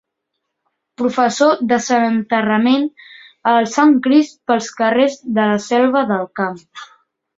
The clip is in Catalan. Professó del Sant Enterrament, el Sant Crist pels carrers de la Selva del Camp.